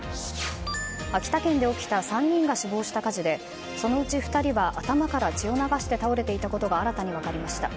秋田県で起きた３人が死亡した火事でそのうち２人は頭から血を流して倒れていたことが新たに分かりました。